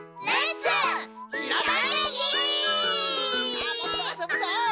さあもっとあそぶぞい！